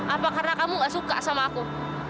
apa karena kamu gak suka sama aku